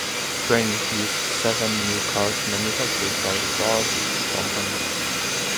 The train used seven new cars manufactured by the Budd Company.